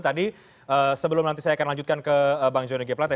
tadi sebelum nanti saya akan lanjutkan ke bang johnn g plate